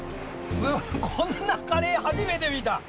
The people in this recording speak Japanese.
こんなカレーはじめて見た！